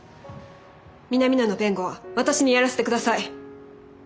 南野の弁護は私にやらせてください。